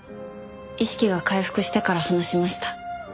意識が回復してから話しました。